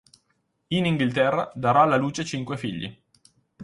In Inghilterra darà alla luce cinque figli.